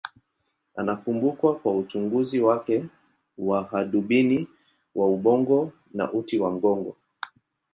Anakumbukwa kwa uchunguzi wake wa hadubini wa ubongo na uti wa mgongo.